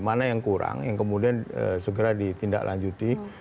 mana yang kurang yang kemudian segera ditindaklanjuti